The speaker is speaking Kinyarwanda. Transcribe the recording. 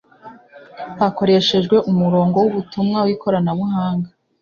hakoreshejwe umurongo w’ubutumwa w’ikoranabuhanga